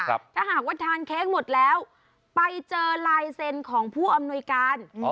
ถ้าหากว่าทานเค้กหมดแล้วไปเจอลายเซ็นต์ของผู้อำนวยการ